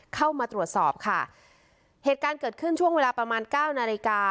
เข้ามาตรวจสอบค่ะเหตุการณ์เกิดขึ้นช่วงเวลาประมาณเก้านาฬิกา